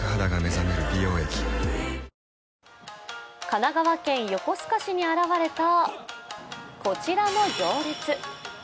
神奈川県横須賀市に現れたこちらの行列。